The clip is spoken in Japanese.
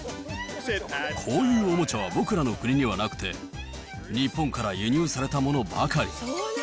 こういうおもちゃは僕らの国にはなくて、日本から輸入されたものばかり。